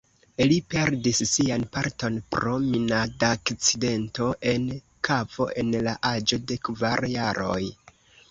Li perdis sian patron pro minadakcidento en kavo en la aĝo de kvar jaroj.